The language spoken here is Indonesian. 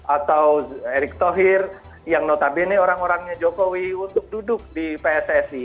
atau erick thohir yang notabene orang orangnya jokowi untuk duduk di pssi